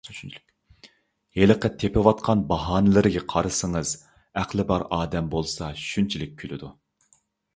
ھېلىقى تېپىۋاتقان باھانىلىرىگە قارىسىڭىز، ئەقلى بار ئادەم بولسا شۇنچىلىك كۈلىدۇ.